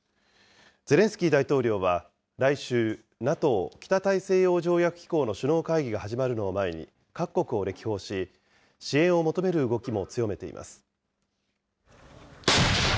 ゼレンスキー大統領は、来週、ＮＡＴＯ・北大西洋条約機構の首脳会議が始まるのを前に、各国を歴訪し、支援を求める動きも強めています。